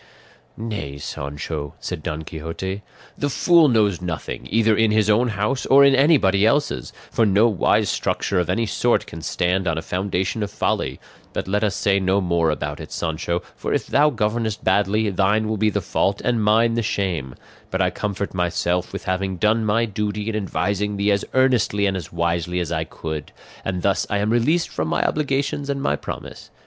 '" "Nay, Sancho," said Don Quixote, "the fool knows nothing, either in his own house or in anybody else's, for no wise structure of any sort can stand on a foundation of folly; but let us say no more about it, Sancho, for if thou governest badly, thine will be the fault and mine the shame; but I comfort myself with having done my duty in advising thee as earnestly and as wisely as I could; and thus I am released from my obligations and my promise.